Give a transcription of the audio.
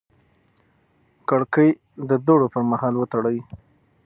کړکۍ د دوړو پر مهال وتړئ.